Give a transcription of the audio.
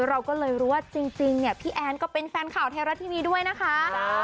เราก็เลยรู้ว่าจริงเนี่ยพี่แอนก็เป็นแฟนข่าวไทยรัฐทีวีด้วยนะคะ